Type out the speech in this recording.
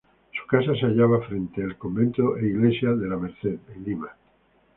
Su casa se hallaba frente al Convento e Iglesia de La Merced, en Lima.